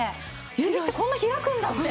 指ってこんな開くんだって。